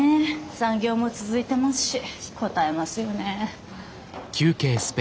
残業も続いてますしこたえますよね。